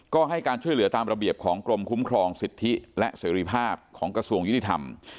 ก็ให้การช่วยเหลือตามระเบียบของกรมคุ้มครองสิทธิและเสรีภาพของกระทรวงยุติธรรม